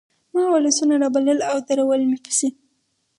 ما ولسونه رابلل او درول مې پسې